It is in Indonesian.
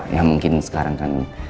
ya mungkin sekarang kan